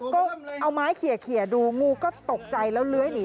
ก็เอาไม้เขียดูงูก็ตกใจแล้วเลื้อยหนี